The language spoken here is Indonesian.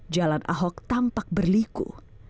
jalan ahok tampak berliku